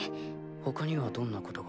ほかにはどんなことが？